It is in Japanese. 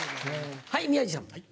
はい宮治さん。